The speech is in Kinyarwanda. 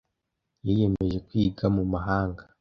Yiyemeje kwiga mu mahanga.